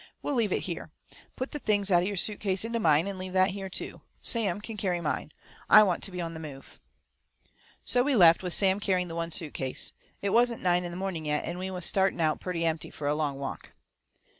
We'll leave it here. Put the things out of your suit case into mine, and leave that here too. Sam can carry mine. I want to be on the move." So we left, with Sam carrying the one suit case. It wasn't nine in the morning yet, and we was starting out purty empty fur a long walk.